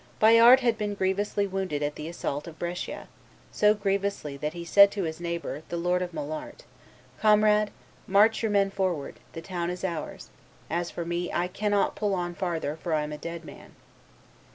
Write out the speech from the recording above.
Bayard had been grievously wounded at the assault of Brescia; so grievously that he said to his neighbor, the lord of Molart, "'Comrade, march your men forward; the town is ours; as for me, I cannot pull on farther, for I am a dead man.